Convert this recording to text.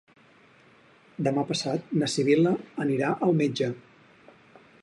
Demà passat na Sibil·la anirà al metge.